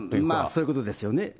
まあ、そういうことですよね。